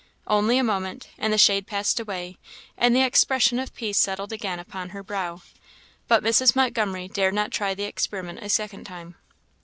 Only a moment and the shade passed away, and the expression of peace settled again upon her brow; but Mrs. Montgomery dared not try the experiment a second time.